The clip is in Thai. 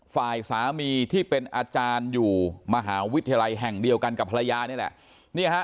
ฝ่ายสามีที่เป็นอาจารย์อยู่มหาวิทยาลัยแห่งเดียวกันกับภรรยานี่แหละ